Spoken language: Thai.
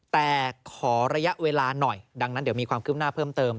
แต่ขอระยะเวลาหน่อยดังนั้นเดี๋ยวมีความคืบหน้าเพิ่มเติม